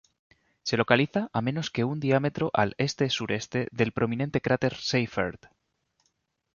Se localiza a menos que un diámetro al este-sureste del prominente cráter Seyfert.